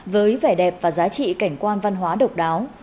với vẻ đẹp và giá trị cảnh quan văn hóa độc đáo